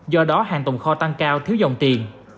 do đó hàng tồn kho tăng cao thiếu dòng tiền